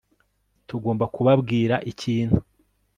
tugomba kubabwira ikintu